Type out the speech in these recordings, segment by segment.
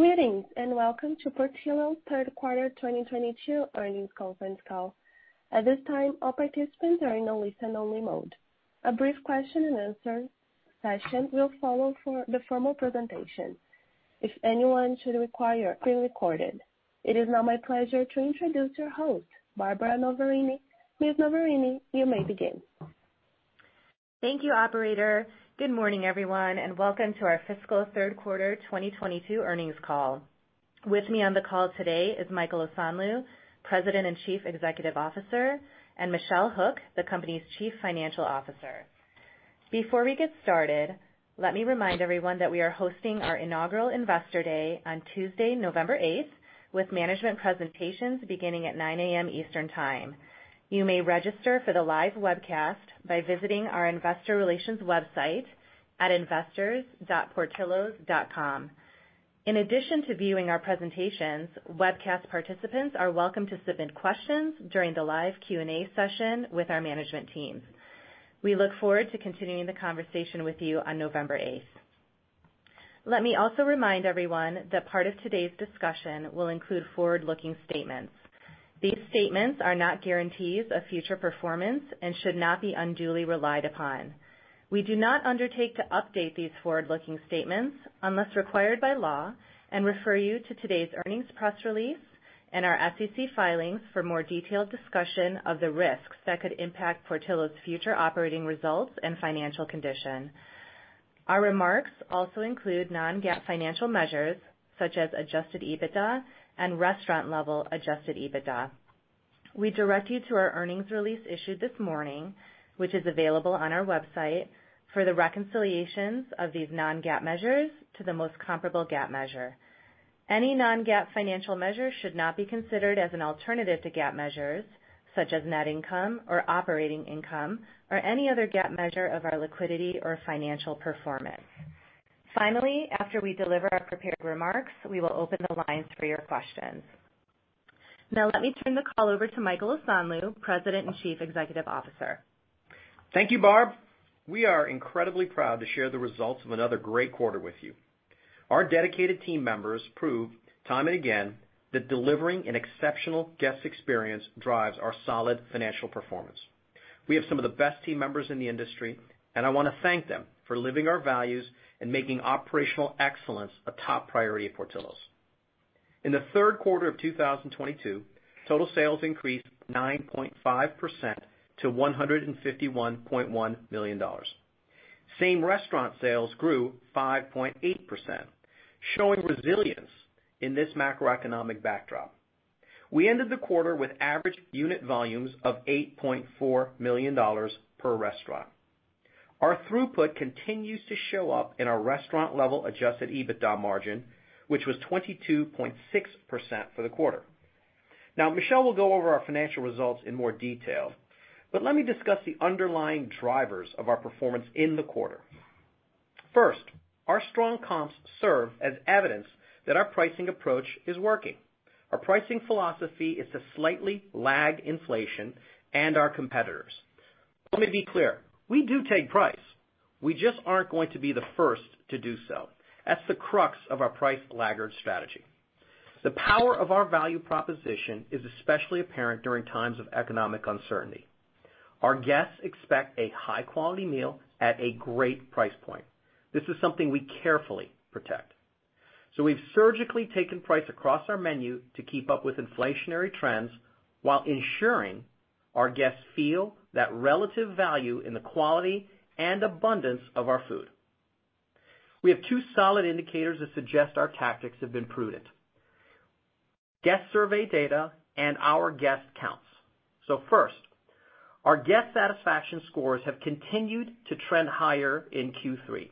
Greetings, and welcome to Portillo's Third quarter 2022 Earnings Conference Call. At this time, all participants are in a listen-only mode. A brief question-and-answer session will follow the formal presentation. This call is being recorded. It is now my pleasure to introduce your host, Barbara Noverini. Ms. Noverini, you may begin. Thank you, operator. Good morning, everyone, and welcome to our fiscal third quarter 2022 earnings call. With me on the call today is Michael Osanloo, President and Chief Executive Officer, and Michelle Hook, the company's Chief Financial Officer. Before we get started, let me remind everyone that we are hosting our inaugural Investor Day on Tuesday, November 8, with management presentations beginning at 9:00 A.M. Eastern Time. You may register for the live webcast by visiting our investor relations website at investors.portillos.com. In addition to viewing our presentations, webcast participants are welcome to submit questions during the live Q&A session with our management team. We look forward to continuing the conversation with you on November 8. Let me also remind everyone that part of today's discussion will include forward-looking statements. These statements are not guarantees of future performance and should not be unduly relied upon. We do not undertake to update these forward-looking statements unless required by law and refer you to today's earnings press release and our SEC filings for more detailed discussion of the risks that could impact Portillo's future operating results and financial condition. Our remarks also include non-GAAP financial measures such as adjusted EBITDA and restaurant-level adjusted EBITDA. We direct you to our earnings release issued this morning, which is available on our website, for the reconciliations of these non-GAAP measures to the most comparable GAAP measure. Any non-GAAP financial measure should not be considered as an alternative to GAAP measures, such as net income or operating income, or any other GAAP measure of our liquidity or financial performance. Finally, after we deliver our prepared remarks, we will open the lines for your questions. Now let me turn the call over to Michael Osanloo, President and Chief Executive Officer. Thank you, Barb. We are incredibly proud to share the results of another great quarter with you. Our dedicated team members prove time and again that delivering an exceptional guest experience drives our solid financial performance. We have some of the best team members in the industry, and I wanna thank them for living our values and making operational excellence a top priority at Portillo's. In the third quarter of 2022, total sales increased 9.5% to $151.1 million. Same-restaurant sales grew 5.8%, showing resilience in this macroeconomic backdrop. We ended the quarter with average unit volumes of $8.4 million per restaurant. Our throughput continues to show up in our restaurant-level adjusted EBITDA margin, which was 22.6% for the quarter. Now, Michelle will go over our financial results in more detail, but let me discuss the underlying drivers of our performance in the quarter. First, our strong comps serve as evidence that our pricing approach is working. Our pricing philosophy is to slightly lag inflation and our competitors. Let me be clear: We do take price. We just aren't going to be the first to do so. That's the crux of our price laggard strategy. The power of our value proposition is especially apparent during times of economic uncertainty. Our guests expect a high-quality meal at a great price point. This is something we carefully protect. We've surgically taken price across our menu to keep up with inflationary trends while ensuring our guests feel that relative value in the quality and abundance of our food. We have two solid indicators that suggest our tactics have been prudent, guest survey data and our guest counts. First, our guest satisfaction scores have continued to trend higher in Q3.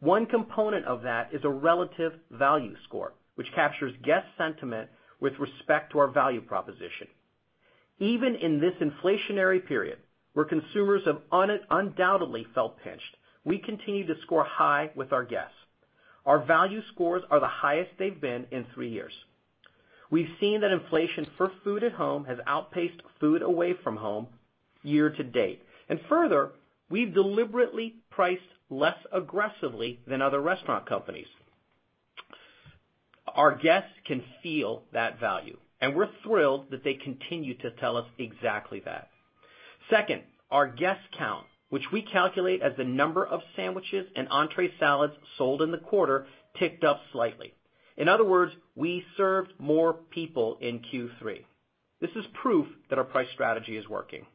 One component of that is a relative value score, which captures guest sentiment with respect to our value proposition. Even in this inflationary period, where consumers have undoubtedly felt pinched, we continue to score high with our guests. Our value scores are the highest they've been in three years. We've seen that inflation for food at home has outpaced food away from home year to date. Further, we've deliberately priced less aggressively than other restaurant companies. Our guests can feel that value, and we're thrilled that they continue to tell us exactly that. Second, our guest count, which we calculate as the number of sandwiches and entree salads sold in the quarter, ticked up slightly. In other words, we served more people in Q3. This is proof that our price strategy is working.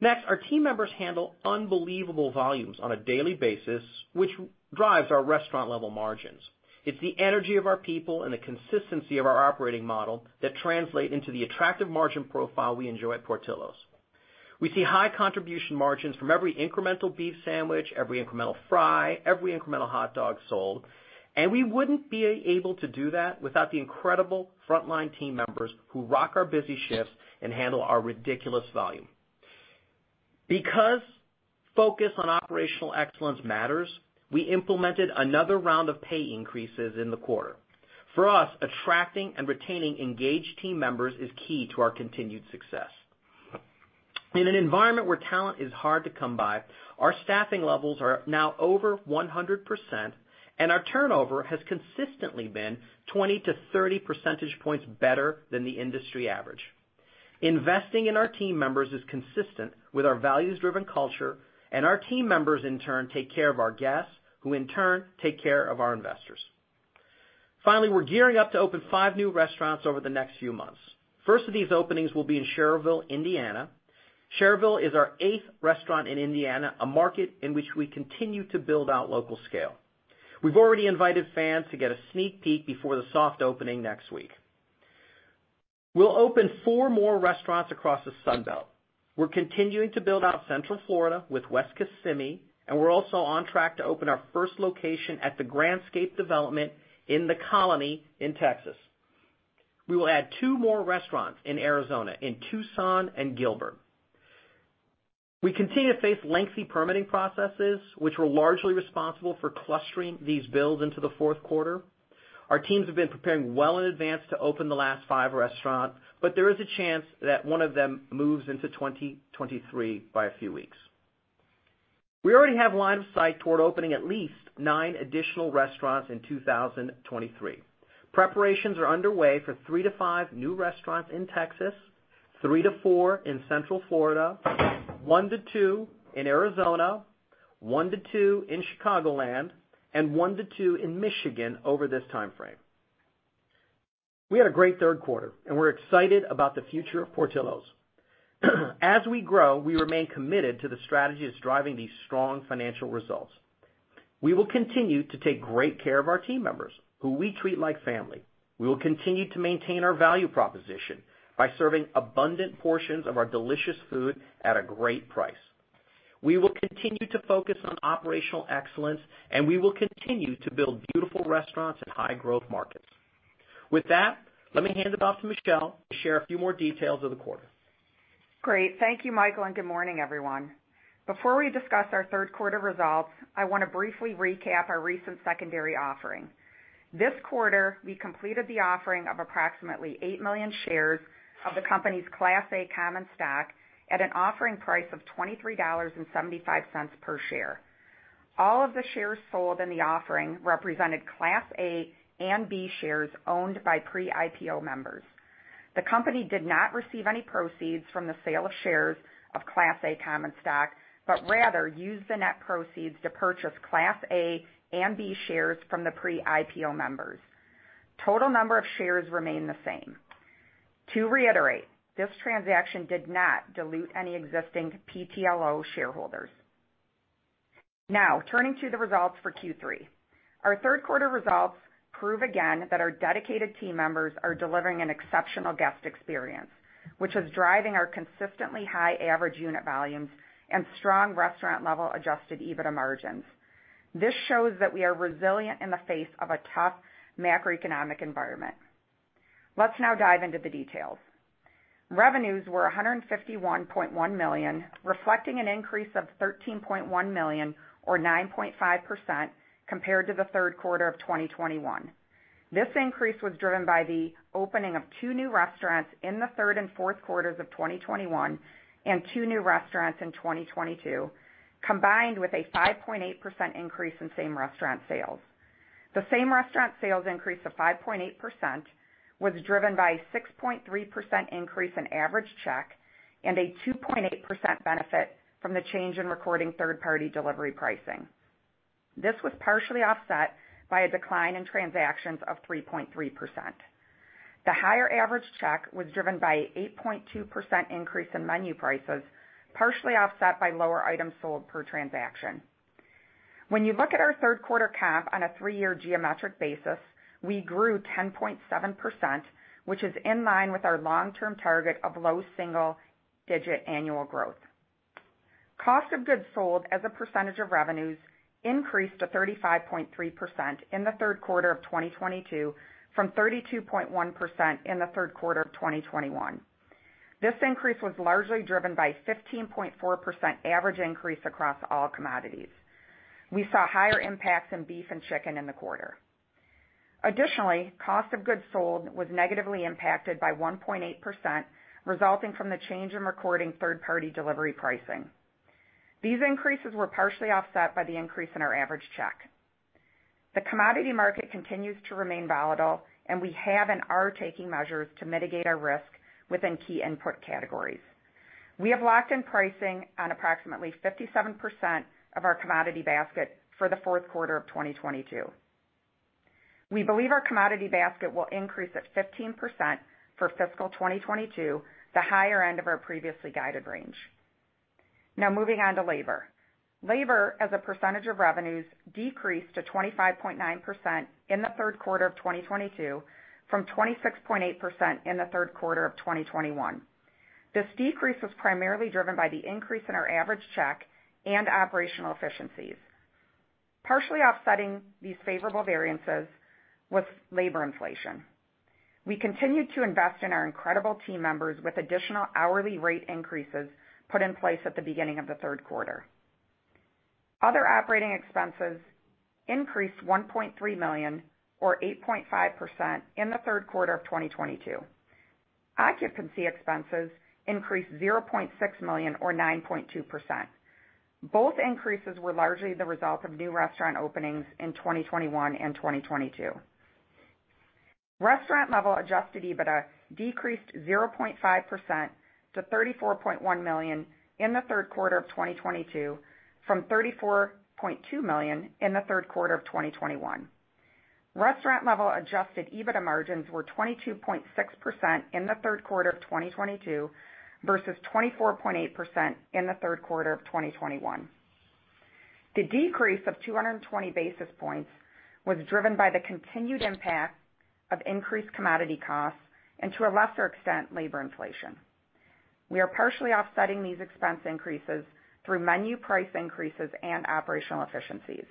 Next, our team members handle unbelievable volumes on a daily basis, which drives our restaurant-level margins. It's the energy of our people and the consistency of our operating model that translate into the attractive margin profile we enjoy at Portillo's. We see high contribution margins from every incremental beef sandwich, every incremental fry, every incremental hot dog sold, and we wouldn't be able to do that without the incredible frontline team members who rock our busy shifts and handle our ridiculous volume. Because focus on operational excellence matters, we implemented another round of pay increases in the quarter. For us, attracting and retaining engaged team members is key to our continued success. In an environment where talent is hard to come by, our staffing levels are now over 100%, and our turnover has consistently been 20-30 percentage points better than the industry average. Investing in our team members is consistent with our values-driven culture, and our team members, in turn, take care of our guests, who in turn take care of our investors. Finally, we're gearing up to open 5 new restaurants over the next few months. First of these openings will be in Schererville, Indiana. Schererville is our eighth restaurant in Indiana, a market in which we continue to build out local scale. We've already invited fans to get a sneak peek before the soft opening next week. We'll open 4 more restaurants across the Sun Belt. We're continuing to build out Central Florida with West Kissimmee, and we're also on track to open our first location at the Grandscape Development in The Colony in Texas. We will add 2 more restaurants in Arizona, in Tucson and Gilbert. We continue to face lengthy permitting processes, which were largely responsible for clustering these builds into the fourth quarter. Our teams have been preparing well in advance to open the last 5 restaurants, but there is a chance that one of them moves into 2023 by a few weeks. We already have line of sight toward opening at least 9 additional restaurants in 2023. Preparations are underway for 3-5 new restaurants in Texas, 3-4 in Central Florida, 1-2 in Arizona, 1-2 in Chicagoland, and 1-2 in Michigan over this time frame. We had a great third quarter, and we're excited about the future of Portillo's. As we grow, we remain committed to the strategy that's driving these strong financial results. We will continue to take great care of our team members, who we treat like family. We will continue to maintain our value proposition by serving abundant portions of our delicious food at a great price. We will continue to focus on operational excellence, and we will continue to build beautiful restaurants in high-growth markets. With that, let me hand it off to Michelle to share a few more details of the quarter. Great. Thank you, Michael, and good morning, everyone. Before we discuss our third quarter results, I wanna briefly recap our recent secondary offering. This quarter, we completed the offering of approximately 8 million shares of the company's Class A common stock at an offering price of $23.75 per share. All of the shares sold in the offering represented Class A and B shares owned by pre-IPO members. The company did not receive any proceeds from the sale of shares of Class A common stock, but rather used the net proceeds to purchase Class A and B shares from the pre-IPO members. Total number of shares remain the same. To reiterate, this transaction did not dilute any existing PTLO shareholders. Now, turning to the results for Q3. Our third quarter results prove again that our dedicated team members are delivering an exceptional guest experience, which is driving our consistently high average unit volumes and strong restaurant-level adjusted EBITDA margins. This shows that we are resilient in the face of a tough macroeconomic environment. Let's now dive into the details. Revenues were $151.1 million, reflecting an increase of $13.1 million or 9.5% compared to the third quarter of 2021. This increase was driven by the opening of two new restaurants in the third and fourth quarters of 2021 and two new restaurants in 2022, combined with a 5.8% increase in same-restaurant sales. The same-restaurant sales increase of 5.8% was driven by 6.3% increase in average check and a 2.8% benefit from the change in recording third-party delivery pricing. This was partially offset by a decline in transactions of 3.3%. The higher average check was driven by 8.2% increase in menu prices, partially offset by lower items sold per transaction. When you look at our third quarter comp on a three-year geometric basis, we grew 10.7%, which is in line with our long-term target of low single-digit annual growth. Cost of goods sold as a percentage of revenues increased to 35.3% in the third quarter of 2022 from 32.1% in the third quarter of 2021. This increase was largely driven by 15.4% average increase across all commodities. We saw higher impacts in beef and chicken in the quarter. Additionally, cost of goods sold was negatively impacted by 1.8%, resulting from the change in recording third-party delivery pricing. These increases were partially offset by the increase in our average check. The commodity market continues to remain volatile, and we have and are taking measures to mitigate our risk within key input categories. We have locked in pricing on approximately 57% of our commodity basket for the fourth quarter of 2022. We believe our commodity basket will increase at 15% for fiscal 2022, the higher end of our previously guided range. Now moving on to labor. Labor as a percentage of revenues decreased to 25.9% in the third quarter of 2022 from 26.8% in the third quarter of 2021. This decrease was primarily driven by the increase in our average check and operational efficiencies. Partially offsetting these favorable variances was labor inflation. We continued to invest in our incredible team members with additional hourly rate increases put in place at the beginning of the third quarter. Other operating expenses increased $1.3 million or 8.5% in the third quarter of 2022. Occupancy expenses increased $0.6 million or 9.2%. Both increases were largely the result of new restaurant openings in 2021 and 2022. Restaurant-level adjusted EBITDA decreased 0.5% to $34.1 million in the third quarter of 2022, from $34.2 million in the third quarter of 2021. Restaurant-level adjusted EBITDA margins were 22.6% in the third quarter of 2022 versus 24.8% in the third quarter of 2021. The decrease of 220 basis points was driven by the continued impact of increased commodity costs and to a lesser extent, labor inflation. We are partially offsetting these expense increases through menu price increases and operational efficiencies.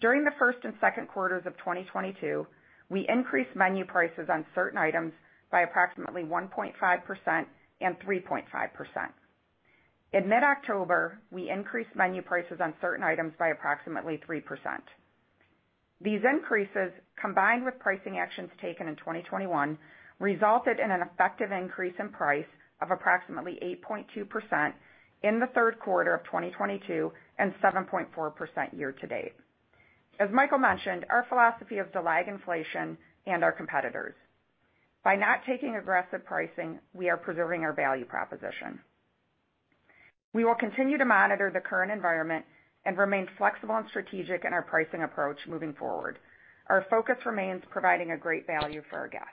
During the first and second quarters of 2022, we increased menu prices on certain items by approximately 1.5% and 3.5%. In mid-October, we increased menu prices on certain items by approximately 3%. These increases, combined with pricing actions taken in 2021, resulted in an effective increase in price of approximately 8.2% in the third quarter of 2022 and 7.4% year to date. As Michael mentioned, our philosophy is to lag inflation and our competitors. By not taking aggressive pricing, we are preserving our value proposition. We will continue to monitor the current environment and remain flexible and strategic in our pricing approach moving forward. Our focus remains providing a great value for our guests.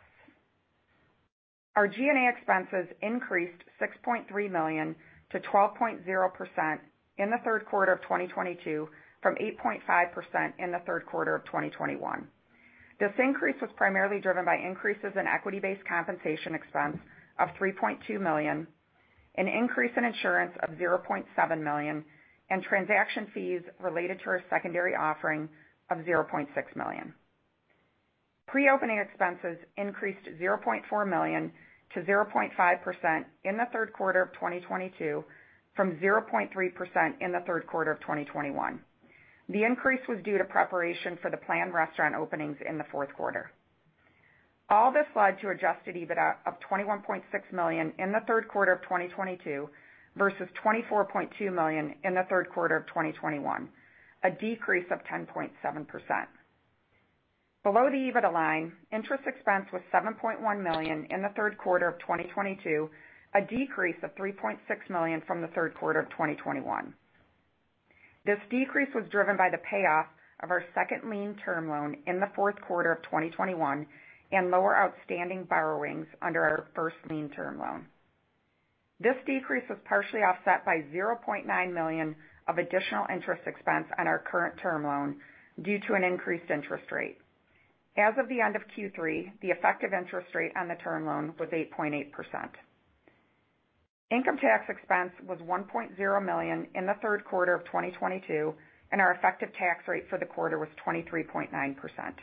Our G&A expenses increased $6.3 million to 12.0% in the third quarter of 2022, from 8.5% in the third quarter of 2021. This increase was primarily driven by increases in equity-based compensation expense of $3.2 million, an increase in insurance of $0.7 million, and transaction fees related to our secondary offering of $0.6 million. Pre-opening expenses increased $0.4 million to 0.5% in the third quarter of 2022 from 0.3% in the third quarter of 2021. The increase was due to preparation for the planned restaurant openings in the fourth quarter. All this led to adjusted EBITDA of $21.6 million in the third quarter of 2022 versus $24.2 million in the third quarter of 2021, a decrease of 10.7%. Below the EBITDA line, interest expense was $7.1 million in the third quarter of 2022, a decrease of $3.6 million from the third quarter of 2021. This decrease was driven by the payoff of our second lien term loan in the fourth quarter of 2021 and lower outstanding borrowings under our first lien term loan. This decrease was partially offset by $0.9 million of additional interest expense on our current term loan due to an increased interest rate. As of the end of Q3, the effective interest rate on the term loan was 8.8%. Income tax expense was $1.0 million in the third quarter of 2022, and our effective tax rate for the quarter was 23.9%.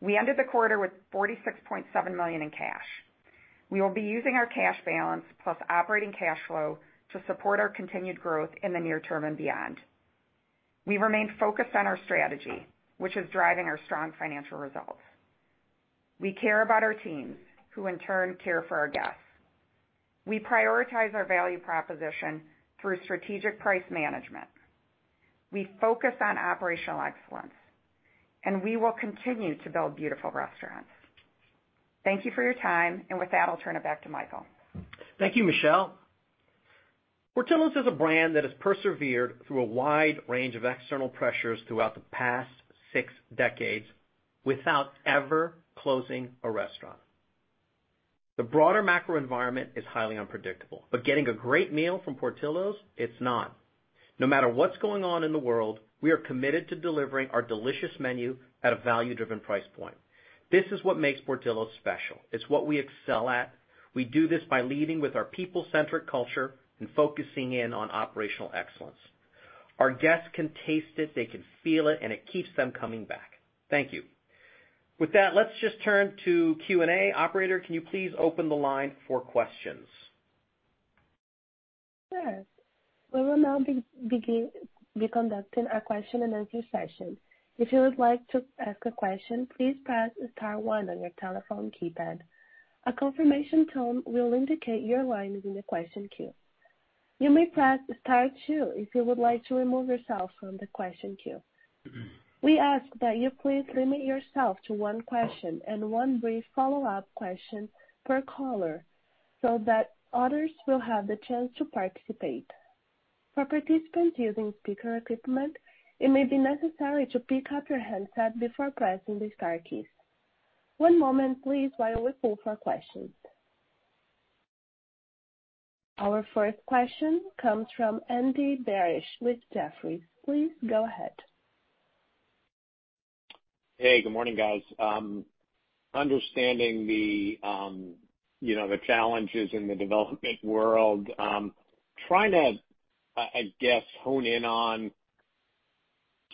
We ended the quarter with $46.7 million in cash. We will be using our cash balance plus operating cash flow to support our continued growth in the near term and beyond. We remain focused on our strategy, which is driving our strong financial results. We care about our teams, who in turn care for our guests. We prioritize our value proposition through strategic price management. We focus on operational excellence, and we will continue to build beautiful restaurants. Thank you for your time, and with that, I'll turn it back to Michael. Thank you, Michelle. Portillo's is a brand that has persevered through a wide range of external pressures throughout the past six decades without ever closing a restaurant. The broader macro environment is highly unpredictable, but getting a great meal from Portillo's, it's not. No matter what's going on in the world, we are committed to delivering our delicious menu at a value-driven price point. This is what makes Portillo's special. It's what we excel at. We do this by leading with our people-centric culture and focusing in on operational excellence. Our guests can taste it, they can feel it, and it keeps them coming back. Thank you. With that, let's just turn to Q&A. Operator, can you please open the line for questions? Yes. We will now be conducting a question and answer session. If you would like to ask a question, please press star one on your telephone keypad. A confirmation tone will indicate your line is in the question queue. You may press star two if you would like to remove yourself from the question queue. We ask that you please limit yourself to one question and one brief follow-up question per caller so that others will have the chance to participate. For participants using speaker equipment, it may be necessary to pick up your handset before pressing the star keys. One moment, please, while we pull for questions. Our first question comes from Andy Barish with Jefferies. Please go ahead. Hey, good morning, guys. Understanding the, you know, the challenges in the development world, trying to, I guess hone in on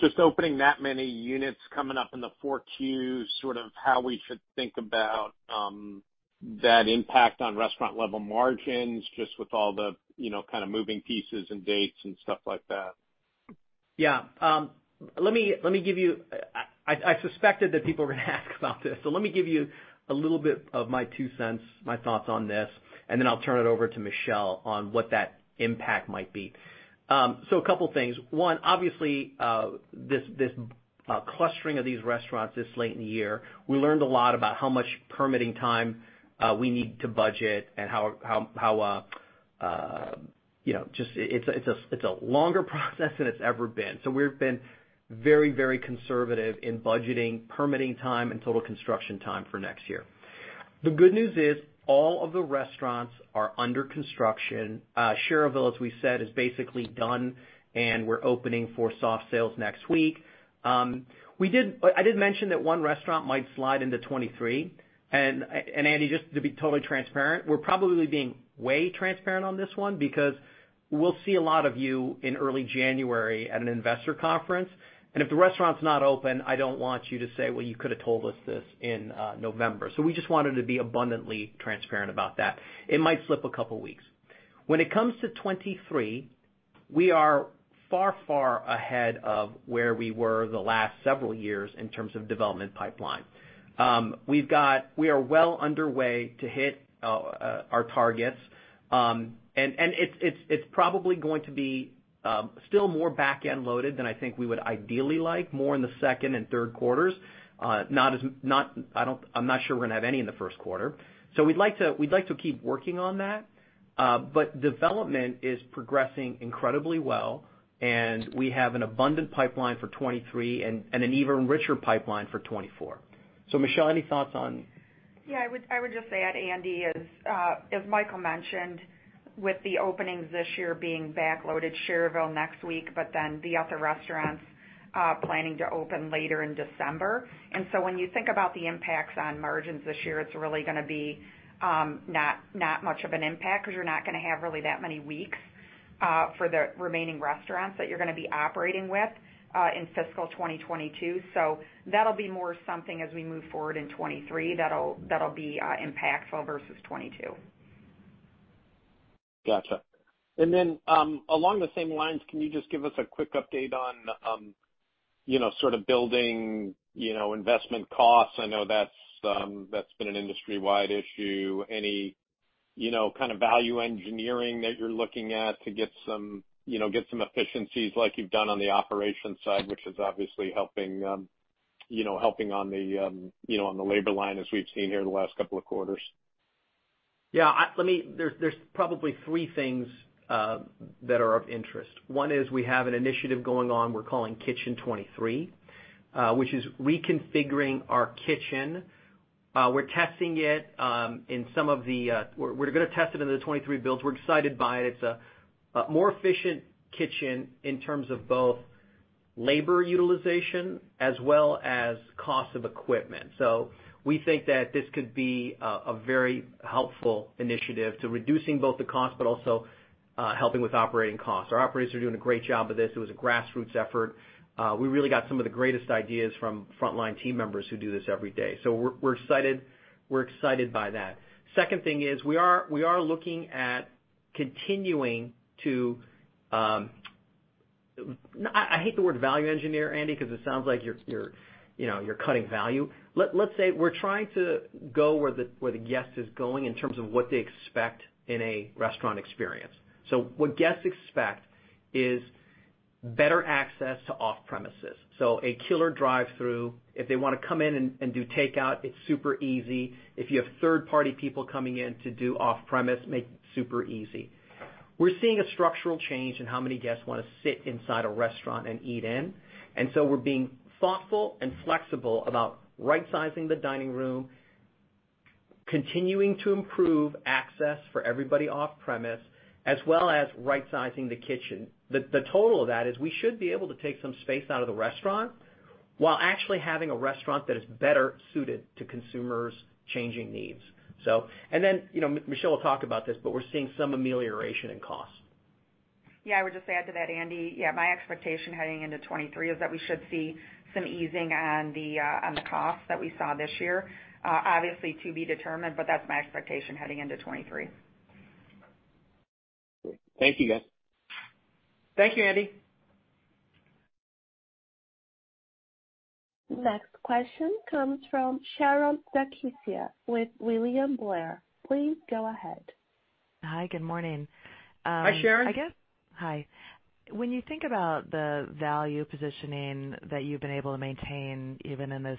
just opening that many units coming up in the four Qs, sort of how we should think about that impact on restaurant level margins just with all the, you know, kind of moving pieces and dates and stuff like that. Yeah. I suspected that people were gonna ask about this, so let me give you a little bit of my two cents, my thoughts on this, and then I'll turn it over to Michelle on what that impact might be. A couple things. One, obviously, this clustering of these restaurants this late in the year, we learned a lot about how much permitting time we need to budget and how, you know, just it's a longer process than it's ever been. We've been very conservative in budgeting permitting time and total construction time for next year. The good news is all of the restaurants are under construction. Schererville, as we said, is basically done, and we're opening for soft sales next week. I did mention that one restaurant might slide into 2023. And Andy, just to be totally transparent, we're probably being way transparent on this one because we'll see a lot of you in early January at an investor conference, and if the restaurant's not open, I don't want you to say, "Well, you could have told us this in November." We just wanted to be abundantly transparent about that. It might slip a couple weeks. When it comes to 2023, we are far, far ahead of where we were the last several years in terms of development pipeline. We are well underway to hit our targets. And it's probably going to be still more back-end loaded than I think we would ideally like, more in the second and third quarters. I'm not sure we're gonna have any in the first quarter. We'd like to keep working on that, but development is progressing incredibly well, and we have an abundant pipeline for 2023 and an even richer pipeline for 2024. Michelle, any thoughts on. Yeah, I would just add, Andy, as Michael mentioned, with the openings this year being backloaded, Schererville next week, but then the other restaurants planning to open later in December. When you think about the impacts on margins this year, it's really gonna be not much of an impact 'cause you're not gonna have really that many weeks for the remaining restaurants that you're gonna be operating with in fiscal 2022. That'll be more something as we move forward in 2023 that'll be impactful versus 2022. Gotcha. Along the same lines, can you just give us a quick update on, you know, sort of building, you know, investment costs? I know that's been an industry-wide issue. Any, you know, kind of value engineering that you're looking at to get some efficiencies like you've done on the operations side, which is obviously helping on the labor line as we've seen here the last couple of quarters. There's probably three things that are of interest. One is we have an initiative going on we're calling Kitchen 23, which is reconfiguring our kitchen. We're testing it in some of the. We're gonna test it in the 23 builds. We're excited by it. It's a more efficient kitchen in terms of both labor utilization as well as cost of equipment. We think that this could be a very helpful initiative to reducing both the cost, but also helping with operating costs. Our operators are doing a great job with this. It was a grassroots effort. We really got some of the greatest ideas from frontline team members who do this every day. We're excited by that. Second thing is we are looking at continuing to. I hate the word value engineer, Andy, 'cause it sounds like you're, you know, cutting value. Let's say we're trying to go where the guest is going in terms of what they expect in a restaurant experience. What guests expect is better access to off-premises, so a killer drive-through. If they wanna come in and do takeout, it's super easy. If you have third-party people coming in to do off-premise, make it super easy. We're seeing a structural change in how many guests wanna sit inside a restaurant and eat in, and we're being thoughtful and flexible about rightsizing the dining room, continuing to improve access for everybody off-premise, as well as rightsizing the kitchen. The total of that is we should be able to take some space out of the restaurant while actually having a restaurant that is better suited to consumers' changing needs. You know, Michelle will talk about this, but we're seeing some amelioration in costs. Yeah, I would just add to that, Andy. Yeah, my expectation heading into 2023 is that we should see some easing on the costs that we saw this year. Obviously to be determined, but that's my expectation heading into 2023. Thank you, guys. Thank you, Andy. Next question comes from Sharon Zackfia with William Blair. Please go ahead. Hi, good morning. Hi, Sharon. Hi. When you think about the value positioning that you've been able to maintain even in this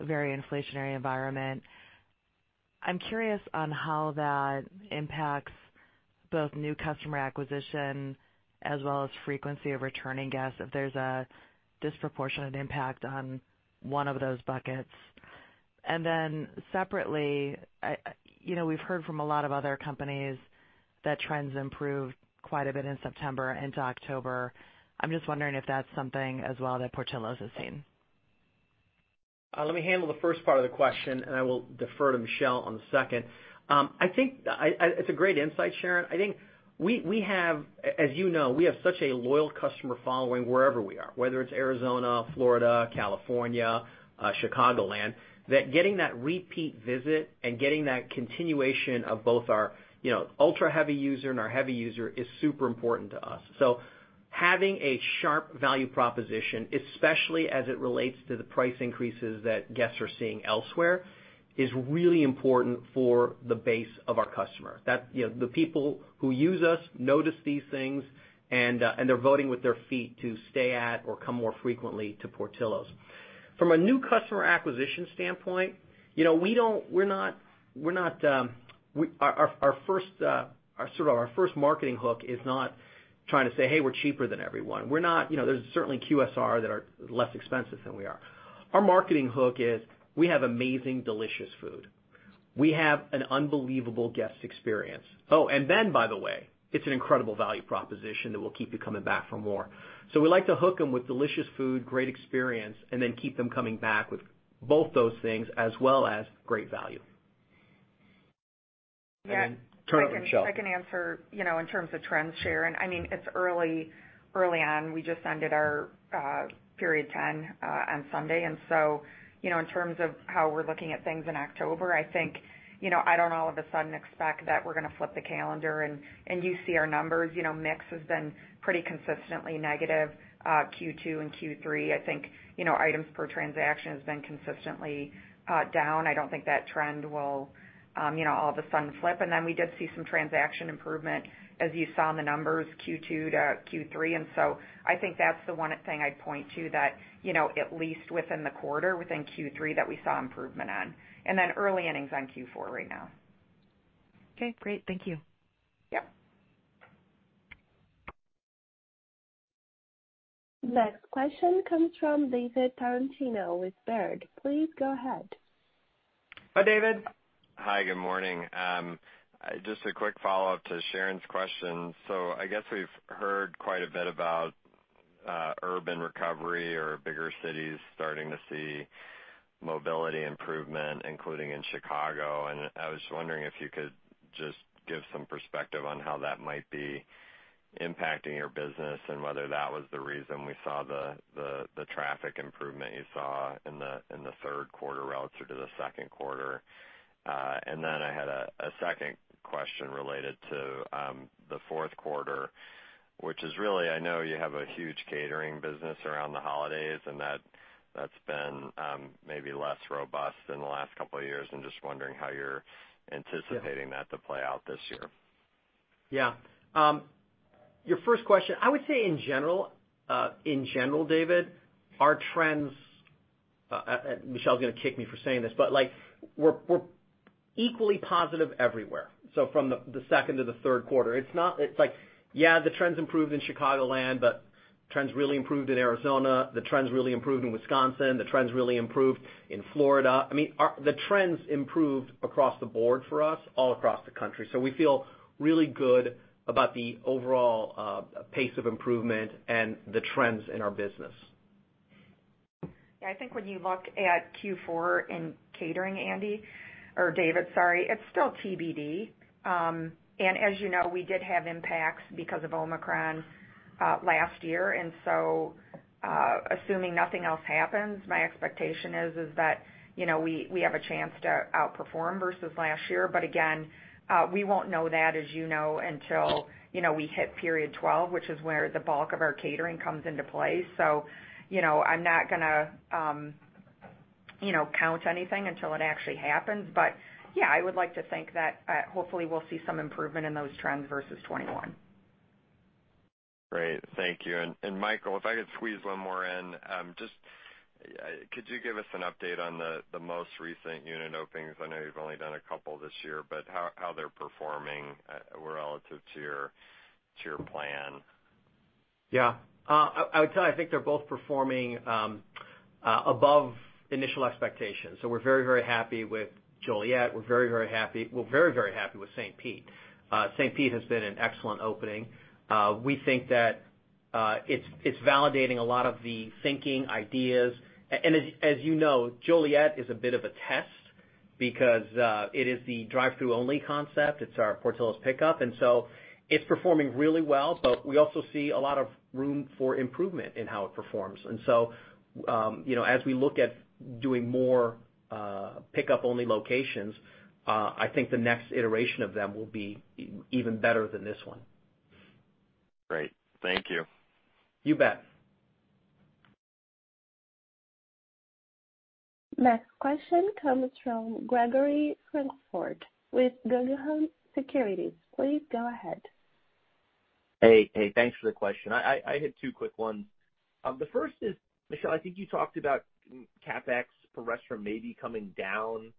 very inflationary environment, I'm curious on how that impacts both new customer acquisition as well as frequency of returning guests, if there's a disproportionate impact on one of those buckets. Separately, you know, we've heard from a lot of other companies that trends improved quite a bit in September into October. I'm just wondering if that's something as well that Portillo's has seen. Let me handle the first part of the question, and I will defer to Michelle on the second. It's a great insight, Sharon. I think we have, as you know, such a loyal customer following wherever we are, whether it's Arizona, Florida, California, Chicagoland, that getting that repeat visit and getting that continuation of both our, you know, ultra heavy user and our heavy user is super important to us. Having a sharp value proposition, especially as it relates to the price increases that guests are seeing elsewhere, is really important for the base of our customer. That, you know, the people who use us notice these things and they're voting with their feet to stay at or come more frequently to Portillo's. From a new customer acquisition standpoint, you know, we're not. Our first sort of marketing hook is not trying to say, "Hey, we're cheaper than everyone." We're not, you know, there's certainly QSR that are less expensive than we are. Our marketing hook is we have amazing, delicious food. We have an unbelievable guest experience. Oh, and then by the way, it's an incredible value proposition that will keep you coming back for more. We like to hook them with delicious food, great experience, and then keep them coming back with both those things as well as great value. Yeah. Turn it to Michelle. I can answer, you know, in terms of trends, Sharon. I mean, it's early on. We just ended our period 10 on Sunday. You know, in terms of how we're looking at things in October, I think, you know, I don't all of a sudden expect that we're gonna flip the calendar and you see our numbers. You know, mix has been pretty consistently negative, Q2 and Q3. I think, you know, items per transaction has been consistently down. I don't think that trend will, you know, all of a sudden flip. We did see some transaction improvement, as you saw in the numbers Q2 to Q3. I think that's the one thing I'd point to that, you know, at least within the quarter, within Q3, that we saw improvement on. Early innings on Q4 right now. Okay, great. Thank you. Yep. Next question comes from David Tarantino with Baird. Please go ahead. Hi, David. Hi, good morning. Just a quick follow-up to Sharon's question. I guess we've heard quite a bit about urban recovery or bigger cities starting to see mobility improvement, including in Chicago. I was wondering if you could just give some perspective on how that might be impacting your business and whether that was the reason we saw the traffic improvement you saw in the third quarter relative to the second quarter. I had a second question related to the fourth quarter, which is really, I know you have a huge catering business around the holidays and that's been maybe less robust in the last couple of years. I'm just wondering how you're anticipating that to play out this year. Yeah. Your first question. I would say in general, David, our trends, Michelle's gonna kick me for saying this, but like we're equally positive everywhere. From the second to the third quarter. It's like, yeah, the trends improved in Chicagoland, but trends really improved in Arizona. The trends really improved in Wisconsin. The trends really improved in Florida. I mean, the trends improved across the board for us all across the country. We feel really good about the overall pace of improvement and the trends in our business. Yeah. I think when you look at Q4 in catering, Andy, or David, sorry, it's still TBD. As you know, we did have impacts because of Omicron last year. Assuming nothing else happens, my expectation is that you know, we have a chance to outperform versus last year. Again, we won't know that, as you know, until you know, we hit period 12, which is where the bulk of our catering comes into play. You know, I'm not gonna you know, count anything until it actually happens. Yeah, I would like to think that hopefully we'll see some improvement in those trends versus 2021. Great. Thank you. Michael, if I could squeeze one more in. Just could you give us an update on the most recent unit openings? I know you've only done a couple this year, but how they're performing relative to your plan. Yeah. I would say, I think they're both performing above initial expectations. We're very, very happy with Joliet. We're very, very happy with St. Pete. St. Pete has been an excellent opening. We think that it's validating a lot of the thinking, ideas. And as you know, Joliet is a bit of a test because it is the drive-through only concept. It's our Portillo's Pick Up, and so it's performing really well. We also see a lot of room for improvement in how it performs. You know, as we look at doing more pick-up only locations, I think the next iteration of them will be even better than this one. Great. Thank you. You bet. Next question comes from Gregory Francfort with Guggenheim Securities. Please go ahead. Hey. Thanks for the question. I had two quick ones. The first is, Michelle, I think you talked about CapEx per restaurant maybe coming down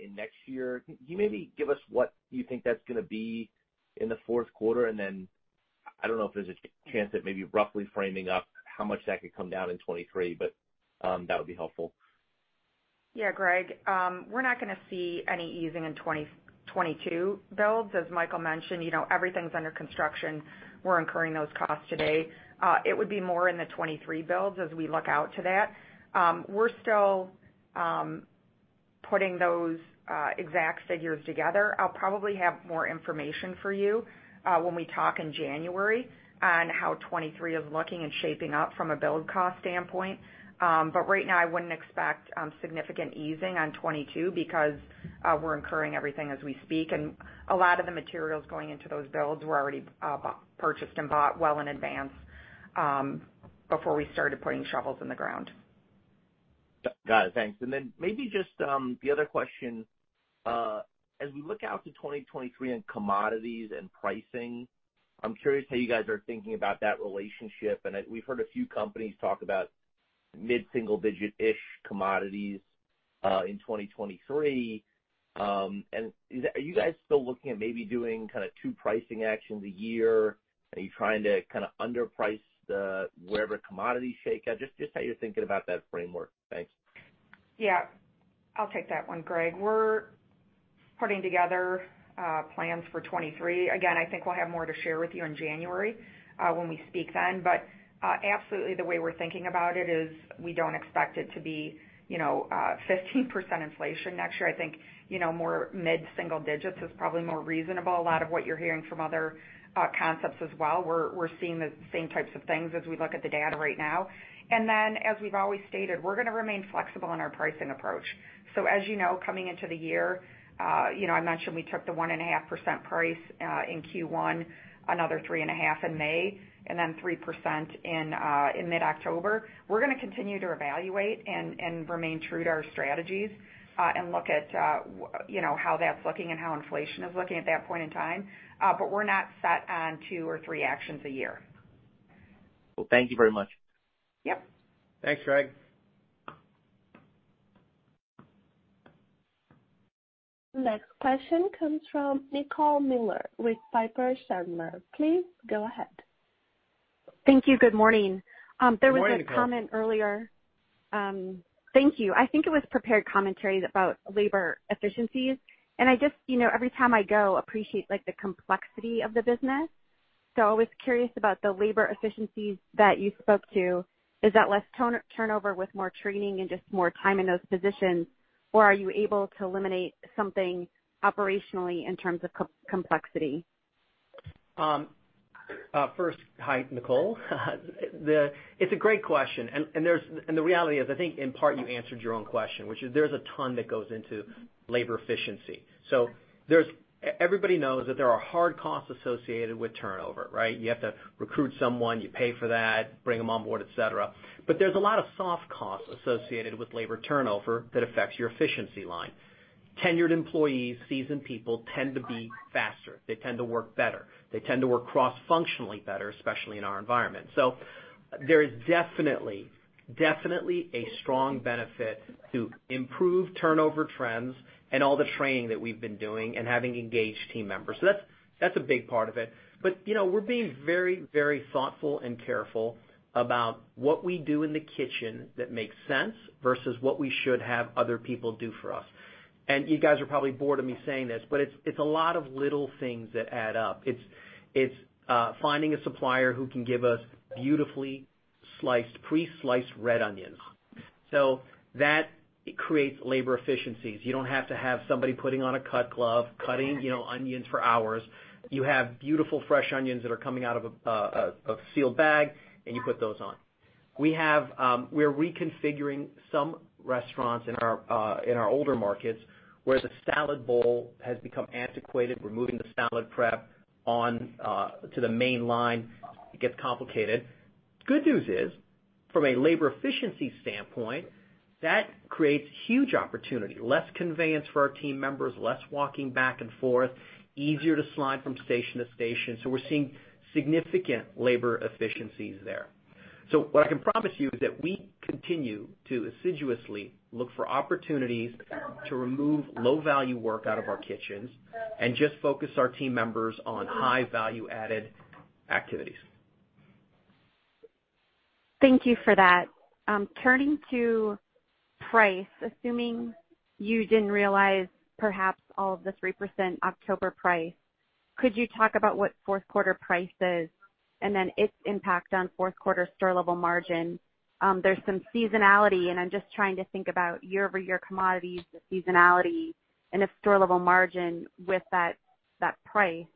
in next year. Can you maybe give us what you think that's gonna be in the fourth quarter? I don't know if there's a chance at maybe roughly framing up how much that could come down in 2023, but that would be helpful. Yeah, Greg, we're not gonna see any easing in 2022 builds. As Michael mentioned, you know, everything's under construction. We're incurring those costs today. It would be more in the 2023 builds as we look out to that. We're still putting those exact figures together. I'll probably have more information for you when we talk in January on how 2023 is looking and shaping up from a build cost standpoint. Right now, I wouldn't expect significant easing on 2022 because we're incurring everything as we speak. A lot of the materials going into those builds were already purchased and bought well in advance before we started putting shovels in the ground. Got it. Thanks. Then maybe just the other question as we look out to 2023 in commodities and pricing, I'm curious how you guys are thinking about that relationship. We've heard a few companies talk about mid-single-digit-ish commodities in 2023. Are you guys still looking at maybe doing kinda two pricing actions a year? Are you trying to kinda underprice the wherever commodities shake out? Just how you're thinking about that framework. Thanks. Yeah. I'll take that one, Greg. We're putting together plans for 2023. Again, I think we'll have more to share with you in January when we speak then. Absolutely the way we're thinking about it is we don't expect it to be, you know, 15% inflation next year. I think, you know, more mid-single digits is probably more reasonable. A lot of what you're hearing from other concepts as well, we're seeing the same types of things as we look at the data right now. As we've always stated, we're gonna remain flexible in our pricing approach. As you know, coming into the year, I mentioned we took the 1.5% price in Q1, another 3.5% in May, and then 3% in mid-October. We're gonna continue to evaluate and remain true to our strategies, and look at, you know, how that's looking and how inflation is looking at that point in time. We're not set on two or three actions a year. Well, thank you very much. Yep. Thanks, Greg. Next question comes from Nicole Miller with Piper Sandler. Please go ahead. Thank you. Good morning. Good morning, Nicole. There was a comment earlier. Thank you. I think it was prepared commentaries about labor efficiencies. I just, you know, every time I go, appreciate, like, the complexity of the business. I was curious about the labor efficiencies that you spoke to. Is that less turnover with more training and just more time in those positions, or are you able to eliminate something operationally in terms of complexity? First, hi, Nicole. It's a great question. The reality is, I think in part you answered your own question, which is there's a ton that goes into labor efficiency. Everybody knows that there are hard costs associated with turnover, right? You have to recruit someone, you pay for that, bring them on board, et cetera. There's a lot of soft costs associated with labor turnover that affects your efficiency line. Tenured employees, seasoned people tend to be faster. They tend to work better. They tend to work cross-functionally better, especially in our environment. There is definitely a strong benefit to improved turnover trends and all the training that we've been doing and having engaged team members. That's a big part of it. You know, we're being very, very thoughtful and careful about what we do in the kitchen that makes sense versus what we should have other people do for us. You guys are probably bored of me saying this, but it's a lot of little things that add up. It's finding a supplier who can give us beautifully sliced, pre-sliced red onions. So that creates labor efficiencies. You don't have to have somebody putting on a cut glove, cutting, you know, onions for hours. You have beautiful fresh onions that are coming out of a sealed bag, and you put those on. We have. We're reconfiguring some restaurants in our older markets, where the salad bowl has become antiquated. We're moving the salad prep on to the main line. It gets complicated. Good news is, from a labor efficiency standpoint, that creates huge opportunity. Less conveyance for our team members, less walking back and forth, easier to slide from station to station. We're seeing significant labor efficiencies there. What I can promise you is that we continue to assiduously look for opportunities to remove low-value work out of our kitchens and just focus our team members on high value added activities. Thank you for that. Turning to price, assuming you didn't realize perhaps all of the 3% October price, could you talk about what fourth quarter price is and then its impact on fourth quarter store level margin? There's some seasonality, and I'm just trying to think about year-over-year commodities, the seasonality, and if store level margin with that price,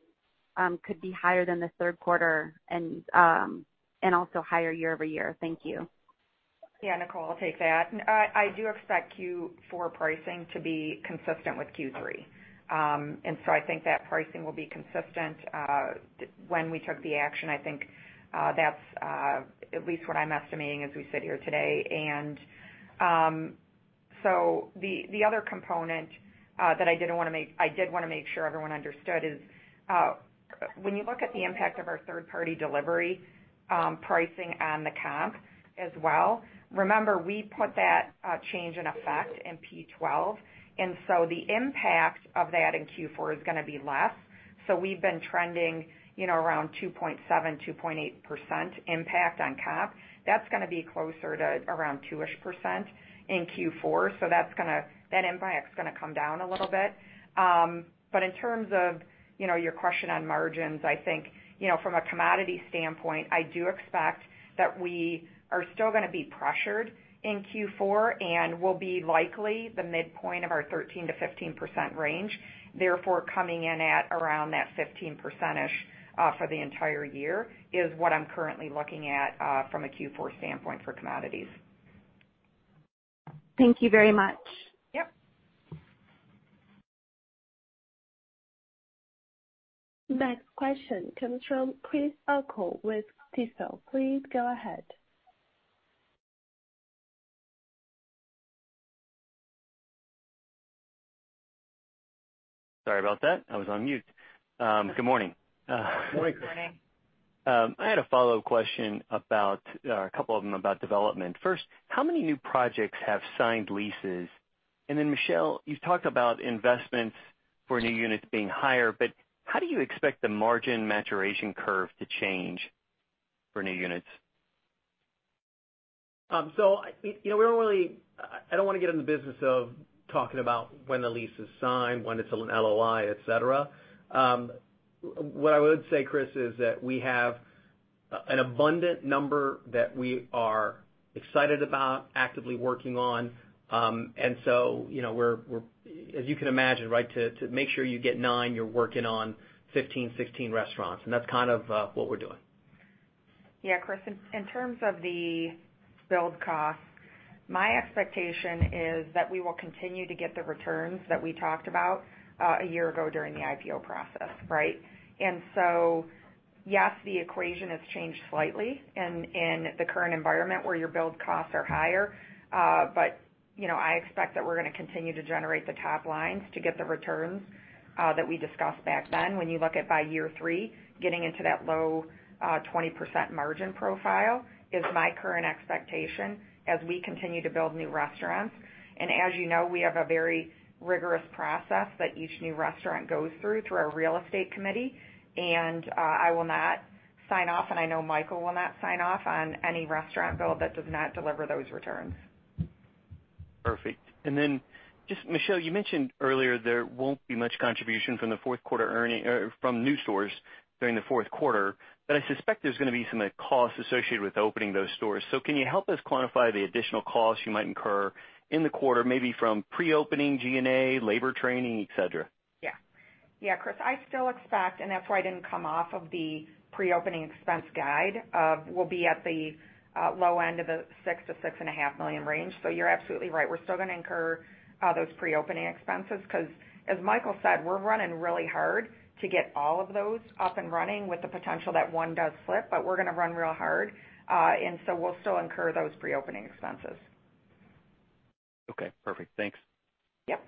could be higher than the third quarter and also higher year-over-year. Thank you. Yeah, Nicole, I'll take that. I do expect Q4 pricing to be consistent with Q3. I think that pricing will be consistent when we took the action. I think that's at least what I'm estimating as we sit here today. The other component that I did wanna make sure everyone understood is when you look at the impact of our third-party delivery pricing on the comp as well. Remember, we put that change in effect in Q2, and the impact of that in Q4 is gonna be less. We've been trending, you know, around 2.7-2.8% impact on comp That's gonna be closer to around 2%-ish in Q4. That's gonna that impact's gonna come down a little bit. In terms of, you know, your question on margins, I think, you know, from a commodity standpoint, I do expect that we are still gonna be pressured in Q4, and we'll be likely the midpoint of our 13%-15% range, therefore coming in at around that 15%-ish for the entire year is what I'm currently looking at from a Q4 standpoint for commodities. Thank you very much. Yep. Next question comes from Chris O'Cull with Stifel. Please go ahead. Sorry about that. I was on mute. Good morning. Good morning. Good morning. I had a follow-up question about, or a couple of them about development. First, how many new projects have signed leases? Michelle, you've talked about investments for new units being higher, but how do you expect the margin maturation curve to change for new units? You know, I don't wanna get in the business of talking about when the lease is signed, when it's an LOI, et cetera. What I would say, Chris, is that we have an abundant number that we are excited about actively working on. You know, we're as you can imagine, right, to make sure you get 9, you're working on 15, 16 restaurants, and that's kind of what we're doing. Yeah, Chris, in terms of the build cost, my expectation is that we will continue to get the returns that we talked about a year ago during the IPO process, right? Yes, the equation has changed slightly in the current environment where your build costs are higher, but you know, I expect that we're gonna continue to generate the top lines to get the returns that we discussed back then. When you look at by year three, getting into that low 20% margin profile is my current expectation as we continue to build new restaurants. As you know, we have a very rigorous process that each new restaurant goes through through our real estate committee. I will not sign off, and I know Michael will not sign off on any restaurant build that does not deliver those returns. Perfect. Just Michelle, you mentioned earlier there won't be much contribution from new stores during the fourth quarter, but I suspect there's gonna be some costs associated with opening those stores. Can you help us quantify the additional costs you might incur in the quarter, maybe from pre-opening G&A, labor training, et cetera? Yeah. Yeah, Chris, I still expect, and that's why I didn't come off of the pre-opening expense guide of we'll be at the low end of the $6-$6.5 million range. You're absolutely right. We're still gonna incur those pre-opening expenses, 'cause as Michael said, we're running really hard to get all of those up and running with the potential that one does slip, but we're gonna run real hard, and so we'll still incur those pre-opening expenses. Okay, perfect. Thanks. Yep.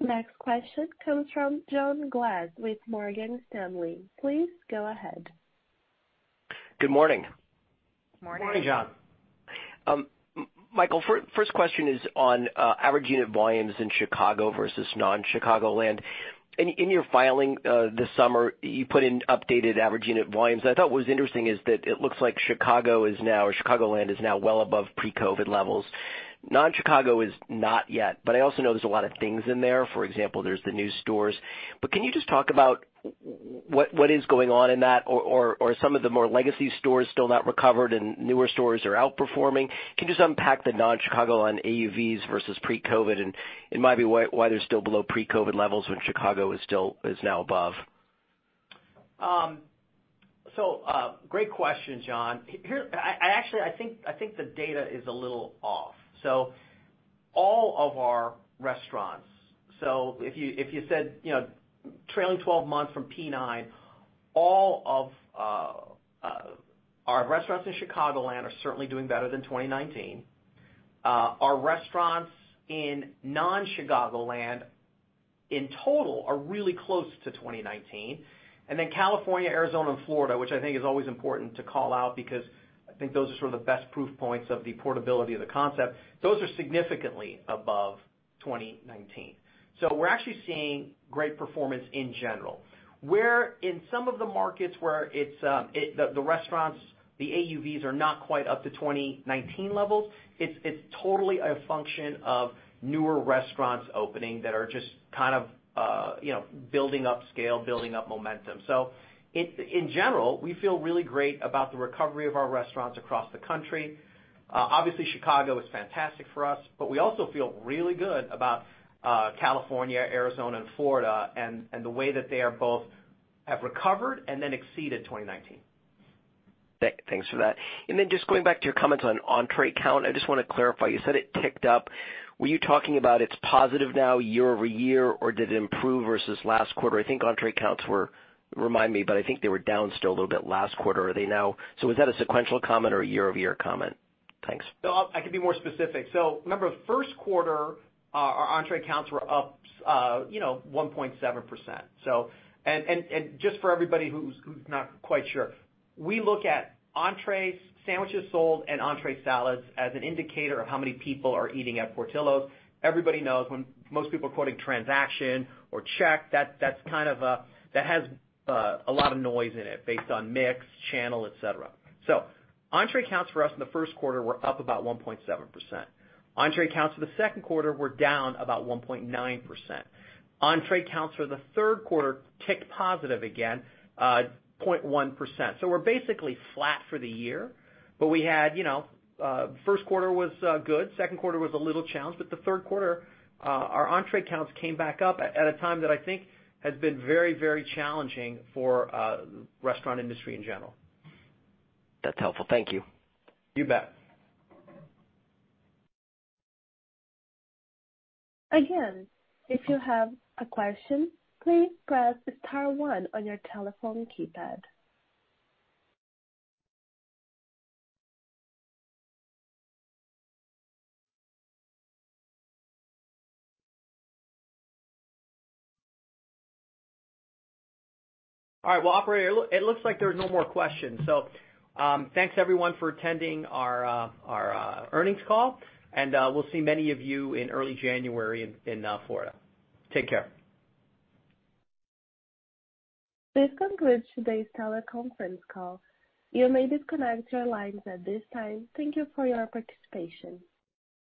Next question comes from John Glass with Morgan Stanley. Please go ahead. Good morning. Morning. Morning, John. Michael, first question is on average unit volumes in Chicago versus non-Chicagoland. In your filing this summer, you put in updated average unit volumes. I thought what was interesting is that it looks like Chicago is now, or Chicagoland is now well above pre-COVID levels. Non-Chicago is not yet, but I also know there's a lot of things in there. For example, there's the new stores. Can you just talk about what is going on in that or some of the more legacy stores still not recovered and newer stores are outperforming? Can you just unpack the non-Chicago on AUVs versus pre-COVID? It might be why they're still below pre-COVID levels when Chicago is now above. Great question, John. I actually think the data is a little off. If you said, you know, trailing 12 months from P9, all of our restaurants in Chicagoland are certainly doing better than 2019. Our restaurants in non-Chicagoland in total are really close to 2019. California, Arizona, and Florida, which I think is always important to call out because I think those are sort of the best proof points of the portability of the concept, those are significantly above 2019. We're actually seeing great performance in general. In some of the markets where it's the restaurants, the AUVs are not quite up to 2019 levels, it's totally a function of newer restaurants opening that are just kind of you know building up scale, building up momentum. In general, we feel really great about the recovery of our restaurants across the country. Obviously, Chicago is fantastic for us, but we also feel really good about California, Arizona, and Florida and the way that they both have recovered and then exceeded 2019. Thanks for that. Just going back to your comments on entree count, I just wanna clarify. You said it ticked up. Were you talking about it's positive now year-over-year, or did it improve versus last quarter? I think entree counts were, remind me, but I think they were down still a little bit last quarter. Are they now? So is that a sequential comment or a year-over-year comment? Thanks. No, I can be more specific. Remember, first quarter, our entree counts were up, you know, 1.7%. And just for everybody who's not quite sure, we look at entrees, sandwiches sold, and entree salads as an indicator of how many people are eating at Portillo's. Everybody knows when most people are quoting transaction or check, that's kind of a that has a lot of noise in it based on mix, channel, et cetera. Entree counts for us in the first quarter were up about 1.7%. Entree counts for the second quarter were down about 1.9%. Entree counts for the third quarter ticked positive again, 0.1%. We're basically flat for the year, but we had, you know, first quarter was good. Second quarter was a little challenged, but the third quarter, our entree counts came back up at a time that I think has been very, very challenging for the restaurant industry in general. That's helpful. Thank you. You bet. Again, if you have a question, please press star one on your telephone keypad. All right. Well, operator, it looks like there are no more questions. Thanks everyone for attending our earnings call, and we'll see many of you in early January in Florida. Take care. This concludes today's teleconference call. You may disconnect your lines at this time. Thank you for your participation.